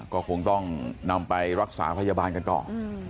ก็คงต้องนำไปรักษาพยาบาลกันต่อ